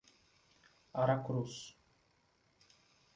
Aracruz